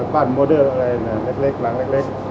บ้านโมเดอร์อะไรแหลกหลังแหลก